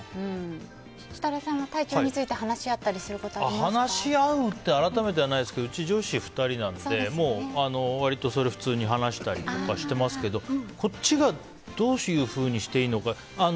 設楽さんは体調について話し合ったりすることは話し合うって改めてはないですけどうち、女子２人なので割と普通に話したりとかしてますけどこっちがどういうふうにしていいのか。